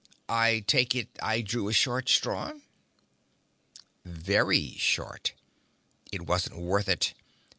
"I take it I drew a short straw." "Very short. It wasn't worth it.